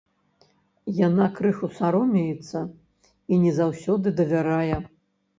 Яна крыху саромеецца і не заўсёды давярае.